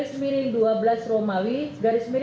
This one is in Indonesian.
tanggal enam desember dua ribu sembilan belas